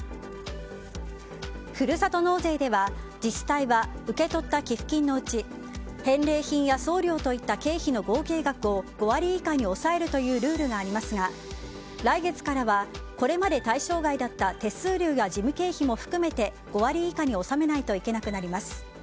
ふるさと納税では自治体は受け取った寄付金のうち返礼品や送料といった経費の合計額を５割以下に抑えるというルールがありますが来月からはこれまで対象外だった手数料や事務経費も含めて５割以下に収めないといけなくなります。